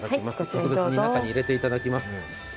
特別に中に入れていただきます。